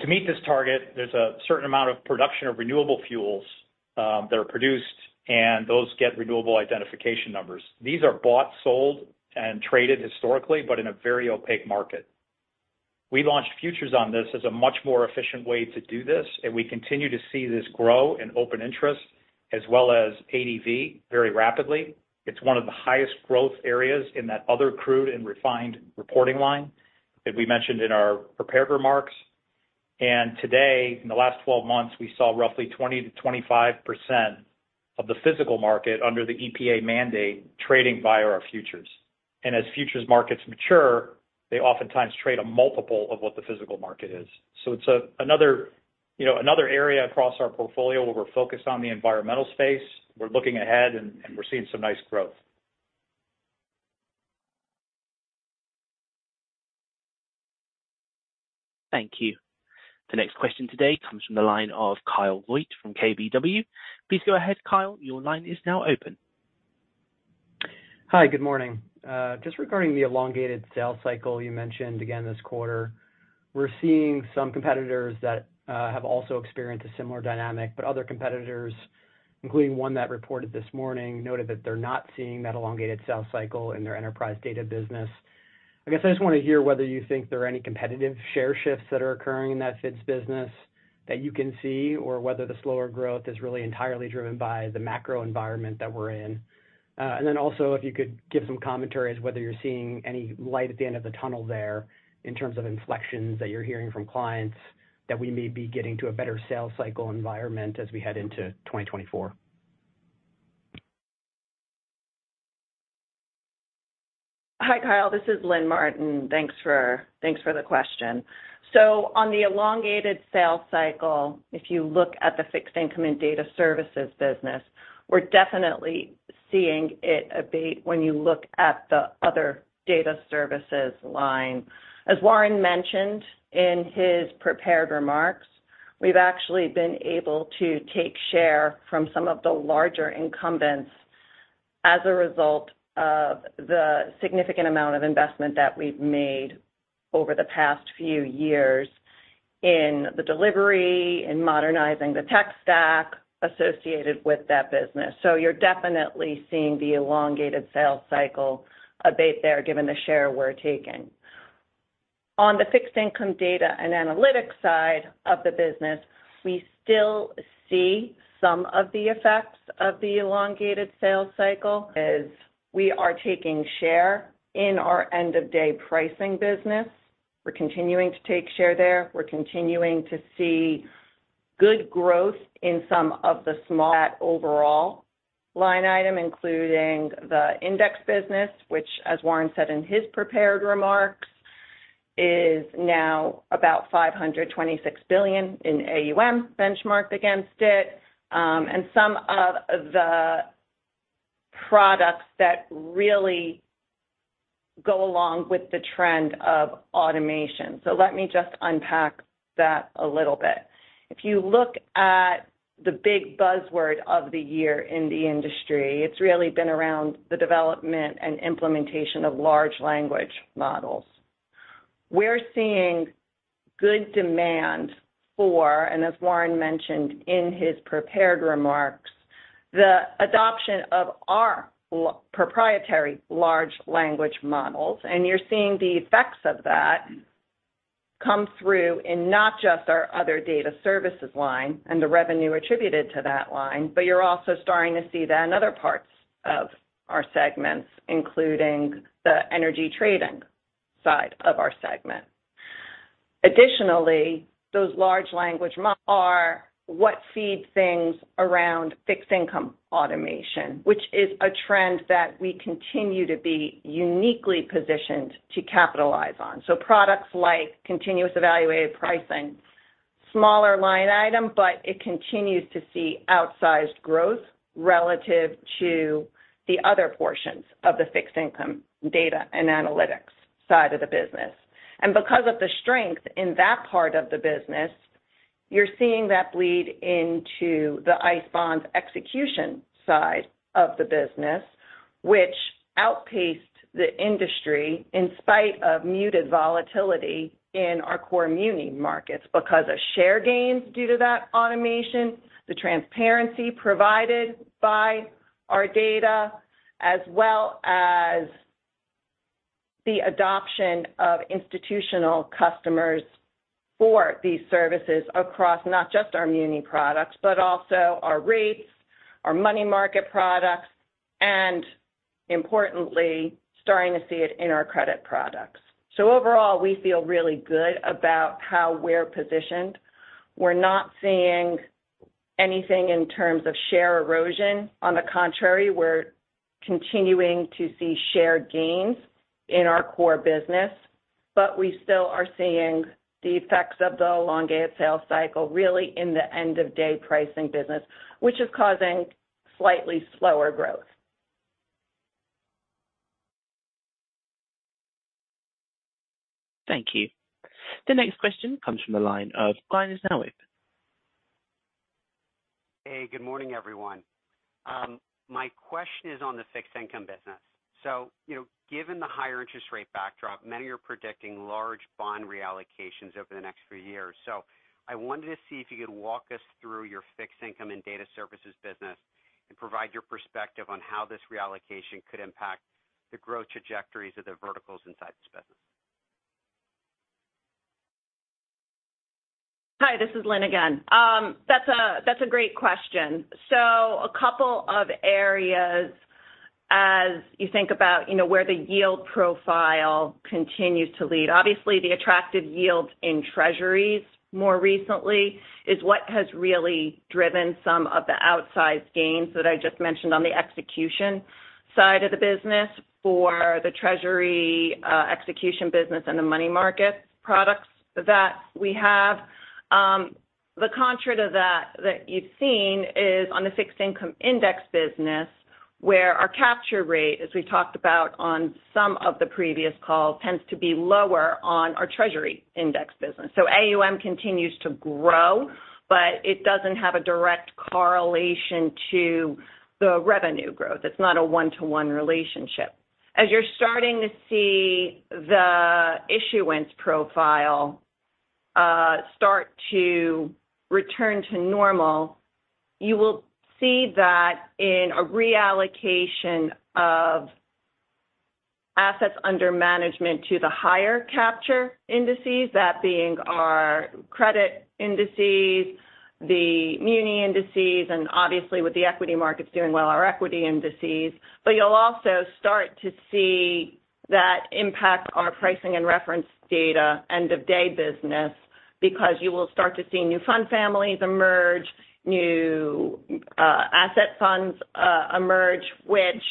To meet this target, there's a certain amount of production of renewable fuels that are produced, and those get renewable identification numbers. These are bought, sold, and traded historically, but in a very opaque market. We launched futures on this as a much more efficient way to do this. We continue to see this grow in open interest as well as ADV very rapidly. It's one of the highest growth areas in that other crude and refined reporting line that we mentioned in our prepared remarks. In the last 12 months, we saw roughly 20%-25% of the physical market under the EPA mandate, trading via our futures. As futures markets mature, they oftentimes trade a multiple of what the physical market is. It's, you know, another area across our portfolio where we're focused on the environmental space. We're looking ahead and we're seeing some nice growth. Thank you. The next question today comes from the line of Kyle Voigt from KBW. Please go ahead, Kyle. Your line is now open. Hi, good morning. Just regarding the elongated sales cycle you mentioned again this quarter, we're seeing some competitors that have also experienced a similar dynamic, but other competitors, including one that reported this morning, noted that they're not seeing that elongated sales cycle in their enterprise data business. I guess I just want to hear whether you think there are any competitive share shifts that are occurring in that FIDS business that you can see, or whether the slower growth is really entirely driven by the macro environment that we're in? Also, if you could give some commentary as whether you're seeing any light at the end of the tunnel there in terms of inflections that you're hearing from clients, that we may be getting to a better sales cycle environment as we head into 2024? Hi, Kyle. This is Lynn Martin. Thanks for, thanks for the question. On the elongated sales cycle, if you look at the fixed income and data services business, we're definitely seeing it abate when you look at the other data services line. As Warren mentioned in his prepared remarks, we've actually been able to take share from some of the larger incumbents as a result of the significant amount of investment that we've made over the past few years in the delivery, in modernizing the tech stack associated with that business. You're definitely seeing the elongated sales cycle abate there, given the share we're taking. On the fixed income data and analytics side of the business, we still see some of the effects of the elongated sales cycle, as we are taking share in our end-of-day pricing business. We're continuing to take share there. We're continuing to see good growth in some of the small- overall line item, including the index business, which, as Warren said in his prepared remarks, is now about $526 billion in AUM benchmarked against it, and some of the products that really go along with the trend of automation. Let me just unpack that a little bit. If you look at the big buzzword of the year in the industry, it's really been around the development and implementation of large language models. We're seeing good demand for, and as Warren mentioned in his prepared remarks, the adoption of our proprietary large language models, and you're seeing the effects of that come through in not just our other data services line and the revenue attributed to that line, but you're also starting to see that in other parts of our segments, including the energy trading side of our segment. Additionally, those large language models are what feed things around fixed income automation, which is a trend that we continue to be uniquely positioned to capitalize on. Products like Continuous Evaluated Pricing, smaller line item, but it continues to see outsized growth relative to the other portions of the fixed income data and analytics side of the business. Because of the strength in that part of the business. you're seeing that bleed into the ICE Bonds execution side of the business, which outpaced the industry in spite of muted volatility in our core muni markets because of share gains due to that automation, the transparency provided by our data, as well as the adoption of institutional customers for these services across not just our muni products, but also our rates, our money market products, and importantly, starting to see it in our credit products. Overall, we feel really good about how we're positioned. We're not seeing anything in terms of share erosion. On the contrary, we're continuing to see share gains in our core business, but we still are seeing the effects of the elongated sales cycle, really in the end-of-day pricing business, which is causing slightly slower growth. Thank you. The next question comes from the line of Craig Siegenthaler. Hey, good morning, everyone. My question is on the fixed income business. You know, given the higher interest rate backdrop, many are predicting large bond reallocations over the next few years. I wanted to see if you could walk us through your fixed income and data services business and provide your perspective on how this reallocation could impact the growth trajectories of the verticals inside this business. Hi, this is Lynn again. That's a, that's a great question. A couple of areas as you think about, you know, where the yield profile continues to lead. Obviously, the attractive yields in treasuries more recently is what has really driven some of the outsized gains that I just mentioned on the execution side of the business for the treasury, execution business and the money market products that we have. The contrary to that, that you've seen is on the fixed income index business, where our capture rate, as we talked about on some of the previous calls, tends to be lower on our treasury index business. AUM continues to grow, but it doesn't have a direct correlation to the revenue growth. It's not a one-to-one relationship. As you're starting to see the issuance profile start to return to normal, you will see that in a reallocation of assets under management to the higher capture indices, that being our credit indices, the muni indices, and obviously with the equity markets doing well, our equity indices. You'll also start to see that impact our pricing and reference data end-of-day business, because you will start to see new fund families emerge, new asset funds emerge, which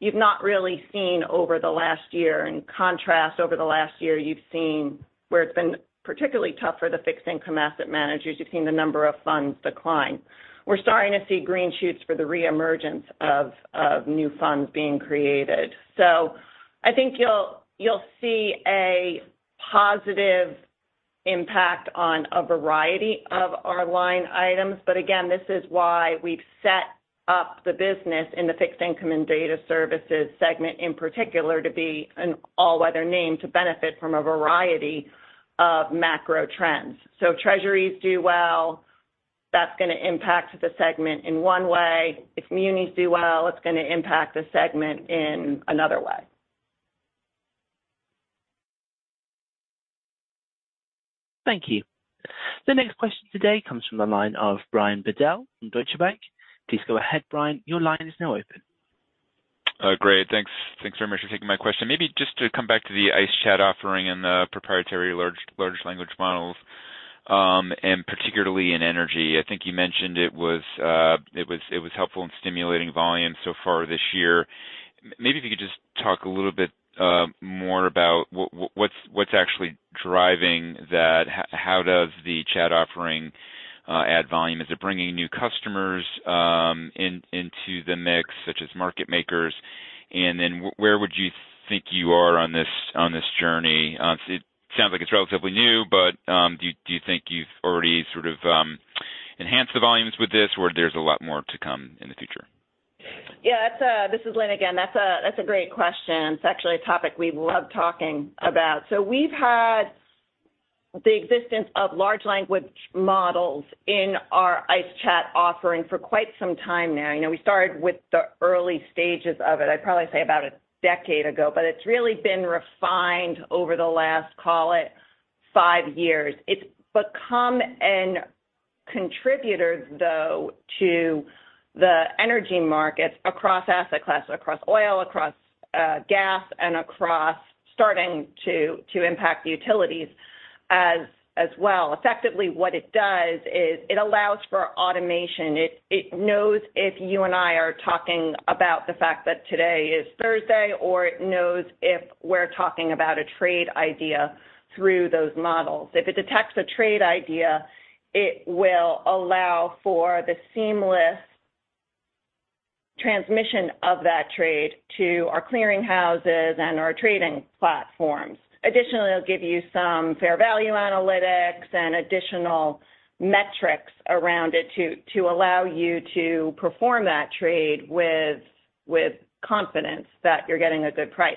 you've not really seen over the last year. In contrast, over the last year, you've seen where it's been particularly tough for the fixed income asset managers, you've seen the number of funds decline. We're starting to see green shoots for the reemergence of new funds being created. I think you'll, you'll see a positive impact on a variety of our line items. Again, this is why we've set up the business in the fixed income and data services segment, in particular, to be an all-weather name, to benefit from a variety of macro trends. Treasuries do well, that's going to impact the segment in one way. If munis do well, it's going to impact the segment in another way. Thank you. The next question today comes from the line of Brian Bedell from Deutsche Bank. Please go ahead, Brian, your line is now open. Great. Thanks. Thanks very much for taking my question. Maybe just to come back to the ICE Chat offering and the proprietary large language models, and particularly in energy. I think you mentioned it was, it was helpful in stimulating volume so far this year. Maybe if you could just talk a little bit more about what, what, what's, what's actually driving that. How does the chat offering add volume? Is it bringing new customers into the mix, such as market makers? Then where would you think you are on this, on this journey? It sounds like it's relatively new, but do you, do you think you've already sort of enhanced the volumes with this, or there's a lot more to come in the future? Yeah, that's a. This is Lynn again. That's a, that's a great question. It's actually a topic we love talking about. We've had the existence of large language models in our ICE Chat offering for quite some time now. You know, we started with the early stages of it, I'd probably say, about a decade ago, but it's really been refined over the last, call it, five years. It's become a contributor, though, to the energy markets across asset classes, across oil, across gas, and across starting to, to impact the utilities as well. Effectively, what it does is it allows for automation. It knows if you and I are talking about the fact that today is Thursday, or it knows if we're talking about a trade idea through those models. If it detects a trade idea, it will allow for the seamless- ... transmission of that trade to our clearing houses and our trading platforms. Additionally, it'll give you some fair value analytics and additional metrics around it to, to allow you to perform that trade with, with confidence that you're getting a good price.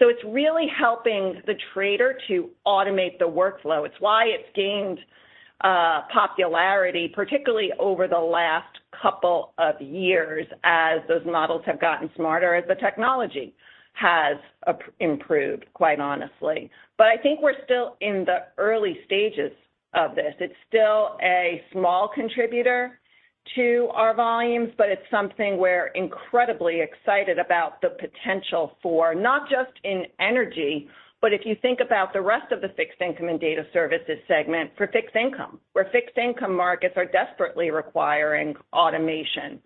It's really helping the trader to automate the workflow. It's why it's gained popularity, particularly over the last couple of years, as those models have gotten smarter, as the technology has improved, quite honestly. I think we're still in the early stages of this. It's still a small contributor to our volumes, but it's something we're incredibly excited about the potential for, not just in energy, but if you think about the rest of the fixed income and data services segment for fixed income, where fixed income markets are desperately requiring automation.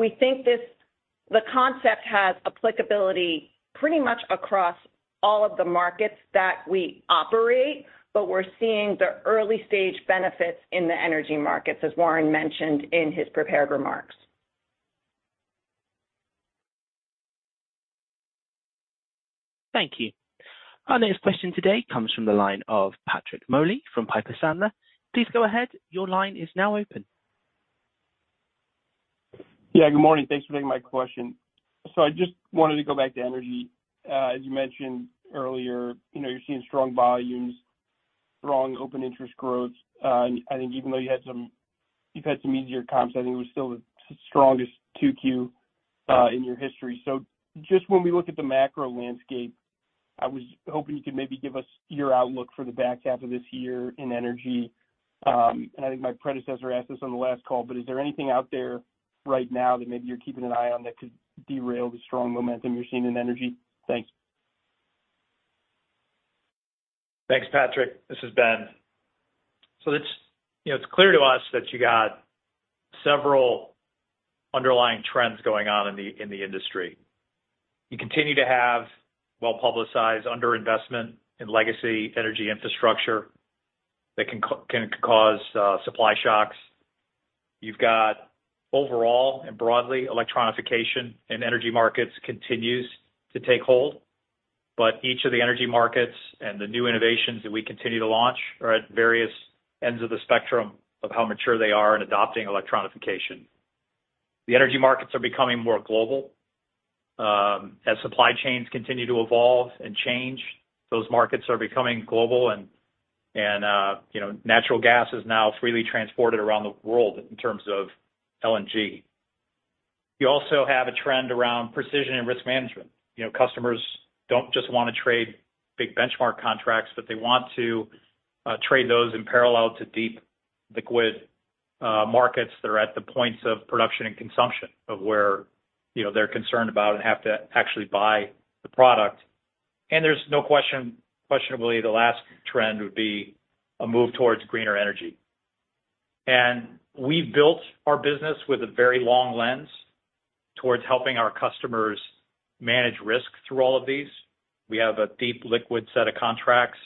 We think the concept has applicability pretty much across all of the markets that we operate, but we're seeing the early-stage benefits in the energy markets, as Warren mentioned in his prepared remarks. Thank you. Our next question today comes from the line of Patrick Moley from Piper Sandler. Please go ahead. Your line is now open. Yeah, good morning. Thanks for taking my question. I just wanted to go back to energy. As you mentioned earlier, you know, you're seeing strong volumes, strong open interest growth. I think even though you've had some easier comps, I think it was still the strongest 2Q in your history. Just when we look at the macro landscape, I was hoping you could maybe give us your outlook for the back half of this year in energy. And I think my predecessor asked this on the last call, but is there anything out there right now that maybe you're keeping an eye on, that could derail the strong momentum you're seeing in energy? Thanks. Thanks, Patrick. This is Ben. It's, you know, it's clear to us that you got several underlying trends going on in the, in the industry. You continue to have well-publicized underinvestment in legacy energy infrastructure that can cause supply shocks. You've got overall and broadly, electronification in energy markets continues to take hold, but each of the energy markets and the new innovations that we continue to launch are at various ends of the spectrum of how mature they are in adopting electronification. The energy markets are becoming more global. As supply chains continue to evolve and change, those markets are becoming global and, you know, natural gas is now freely transported around the world in terms of LNG. You also have a trend around precision and risk management. You know, customers don't just wanna trade big benchmark contracts, but they want to trade those in parallel to deep liquid markets that are at the points of production and consumption of where, you know, they're concerned about and have to actually buy the product. There's no question, questionably, the last trend would be a move towards greener energy. We've built our business with a very long lens towards helping our customers manage risk through all of these. We have a deep liquid set of contracts,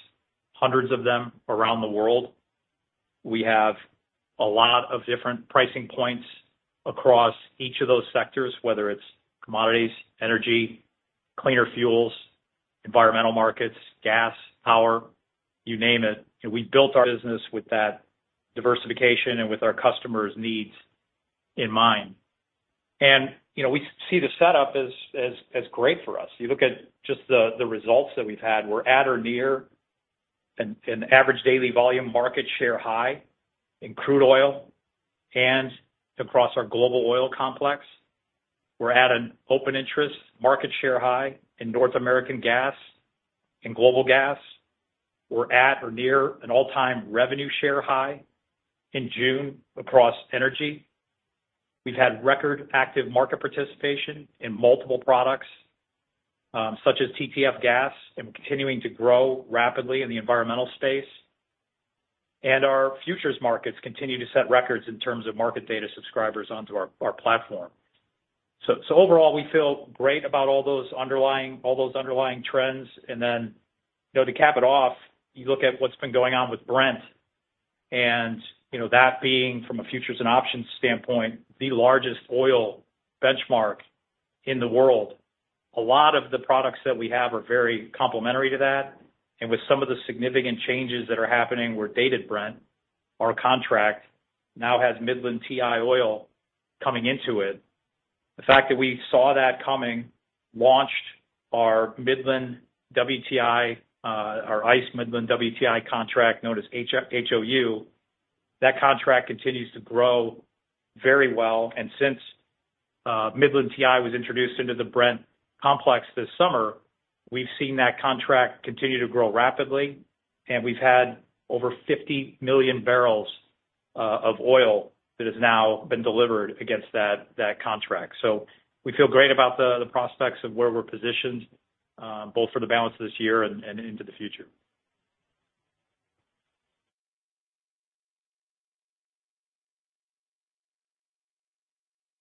hundreds of them around the world. We have a lot of different pricing points across each of those sectors, whether it's commodities, energy, cleaner fuels, environmental markets, gas, power, you name it. We've built our business with that diversification and with our customers' needs in mind. You know, we see the setup as, as, as great for us. You look at just the, the results that we've had. We're at or near an average daily volume market share high in crude oil and across our global oil complex. We're at an open interest market share high in North American gas and global gas. We're at or near an all-time revenue share high in June across energy. We've had record active market participation in multiple products, such as TTF Gas, continuing to grow rapidly in the environmental space. Our futures markets continue to set records in terms of market data subscribers onto our, our platform. Overall, we feel great about all those underlying, all those underlying trends. You know, to cap it off, you look at what's been going on with Brent. You know, that being, from a futures and options standpoint, the largest oil benchmark in the world, a lot of the products that we have are very complementary to that. With some of the significant changes that are happening with Dated Brent, our contract now has Midland WTI oil coming into it. The fact that we saw that coming, launched our Midland WTI, our ICE Midland WTI contract, known as HOU, that contract continues to grow very well. Since Midland WTI was introduced into the Brent complex this summer, we've seen that contract continue to grow rapidly, and we've had over 50 million barrels of oil that has now been delivered against that, that contract. We feel great about the, the prospects of where we're positioned, both for the balance of this year and, and into the future.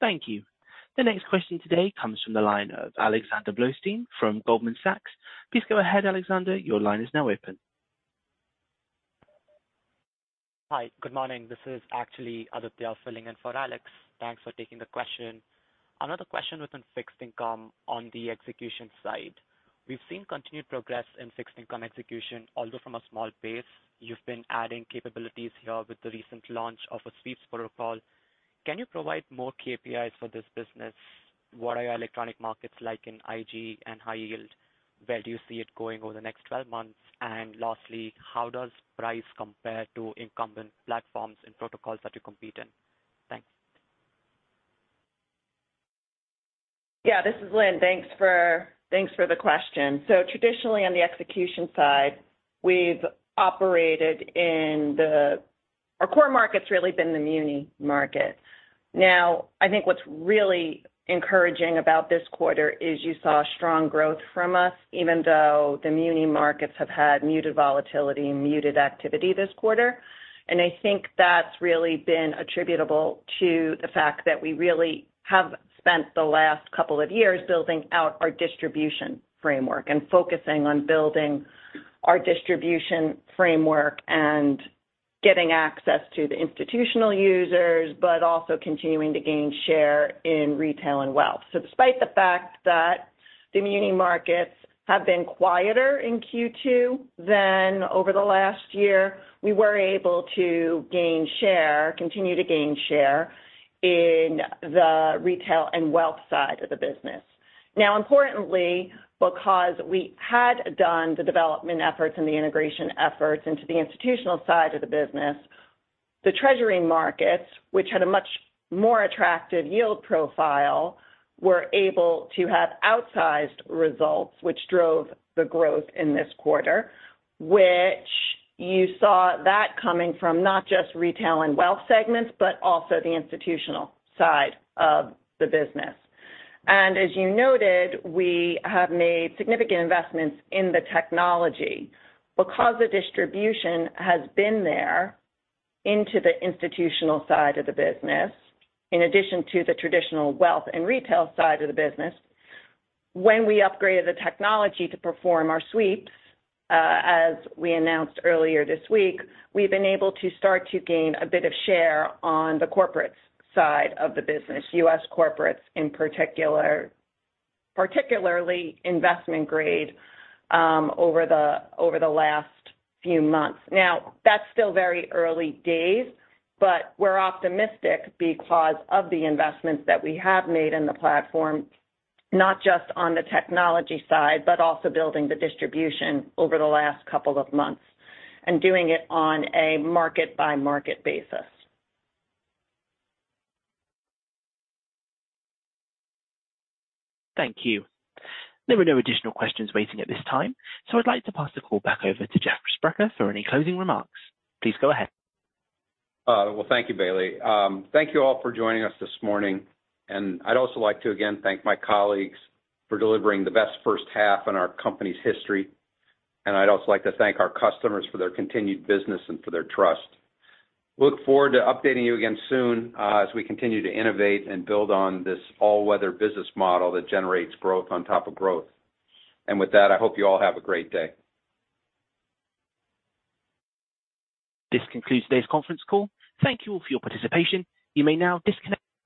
Thank you. The next question today comes from the line of Alexander Blostein from Goldman Sachs. Please go ahead, Alexander, your line is now open. Hi, good morning. This is actually Aditya filling in for Alex. Thanks for taking the question. Another question within fixed income on the execution side. We've seen continued progress in fixed income execution, although from a small base. You've been adding capabilities here with the recent launch of a sweeps protocol. Can you provide more KPIs for this business? What are your electronic markets like in IG and high yield? Where do you see it going over the next 12 months? Lastly, how does price compare to incumbent platforms and protocols that you compete in? Thanks. Yeah, this is Lynn. Thanks for, thanks for the question. Traditionally, on the execution side, we've operated in our core market's really been the muni market. I think what's really encouraging about this quarter is you saw strong growth from us, even though the muni markets have had muted volatility and muted activity this quarter. I think that's really been attributable to the fact that we really have spent the last couple of years building out our distribution framework and focusing on building our distribution framework and getting access to the institutional users, but also continuing to gain share in retail and wealth. Despite the fact that the muni markets have been quieter in Q2 than over the last year, we were able to gain share, continue to gain share in the retail and wealth side of the business. Now, importantly, because we had done the development efforts and the integration efforts into the institutional side of the business, the treasury markets, which had a much more attractive yield profile, were able to have outsized results, which drove the growth in this quarter, which you saw that coming from not just retail and wealth segments, but also the institutional side of the business. As you noted, we have made significant investments in the technology. Because the distribution has been there into the institutional side of the business, in addition to the traditional wealth and retail side of the business, when we upgraded the technology to perform our sweeps, as we announced earlier this week, we've been able to start to gain a bit of share on the corporate side of the business, U.S. corporates particularly investment grade, over the last few months. That's still very early days, but we're optimistic because of the investments that we have made in the platform, not just on the technology side, but also building the distribution over the last couple of months and doing it on a market-by-market basis. Thank you. There were no additional questions waiting at this time, so I'd like to pass the call back over to Jeff Sprecher for any closing remarks. Please go ahead. Well, thank you, Bailey. Thank you all for joining us this morning, and I'd also like to again thank my colleagues for delivering the best first half in our company's history. I'd also like to thank our customers for their continued business and for their trust. Look forward to updating you again soon, as we continue to innovate and build on this all-weather business model that generates growth on top of growth. With that, I hope you all have a great day. This concludes today's conference call. Thank you all for your participation. You may now disconnect.